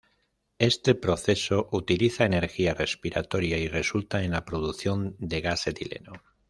Este proceso utiliza energía respiratoria y resulta en la producción de gas etileno.